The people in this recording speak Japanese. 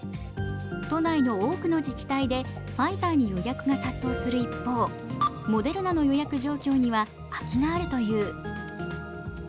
都内の多くの自治体でファイザーに予約が殺到する一方モデルナの予約状況には空きがあるという。